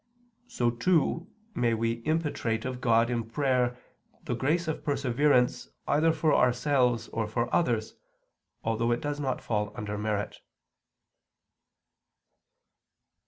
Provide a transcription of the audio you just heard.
So too may we impetrate of God in prayer the grace of perseverance either for ourselves or for others, although it does not fall under merit.